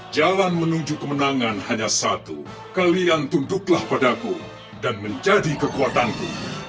jalan menuju kemenangan hanya satu kalian tunduklah padaku dan menjadi kekuatanku